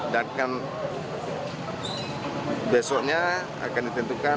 dan kan besoknya akan ditentukan